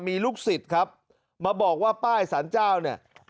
มีลูกศิษย์ครับมาบอกว่าป้ายสารเจ้าเนี่ย